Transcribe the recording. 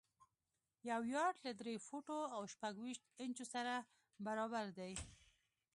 یو یارډ له درې فوټو او شپږ ویشت انچو سره برابر دی.